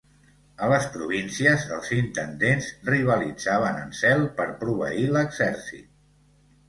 A les províncies, els intendents rivalitzaven en zel per proveir l'exèrcit.